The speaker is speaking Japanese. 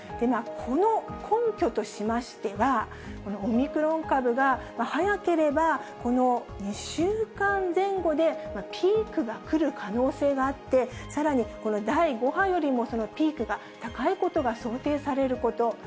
この根拠としましては、オミクロン株が、早ければこの２週間前後でピークがくる可能性があって、さらにこの第５波よりもそのピークが高いことが想定されること。